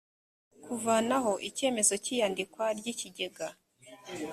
kuvanaho icyemezo cy’iyandikwa ry’ikigega